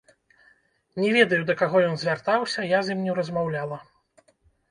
Не ведаю, да каго ён звяртаўся, я з ім не размаўляла.